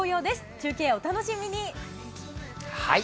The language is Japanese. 中継をお楽しみに。